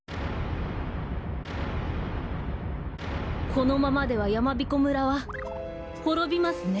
このままではやまびこ村はほろびますね。